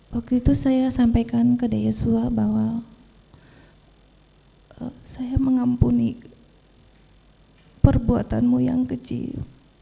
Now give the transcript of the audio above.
waktu itu saya sampaikan ke yosua bahwa saya mengampuni perbuatanmu yang kecil